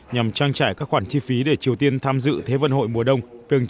nhằm trang trải các khoản chi phí để triều tiên tham dự thế vận hội mùa đông